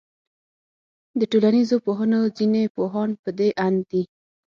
د ټولنيزو پوهنو ځيني پوهان پدې آند دي